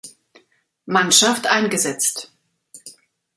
Mannschaft eingesetzt.